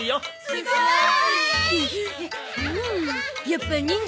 すごい！ん！